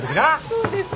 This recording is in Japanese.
そうです。